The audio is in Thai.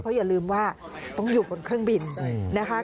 อย่าลืมว่าต้องอยู่บนเครื่องบินนะคะ